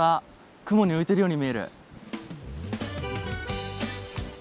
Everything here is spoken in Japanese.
雲に浮いているように見える。